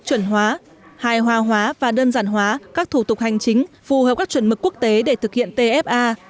chuẩn hóa hài hòa hóa và đơn giản hóa các thủ tục hành chính phù hợp các chuẩn mực quốc tế để thực hiện tfa